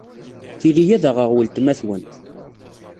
Tili ad aɣeɣ weltma-twen.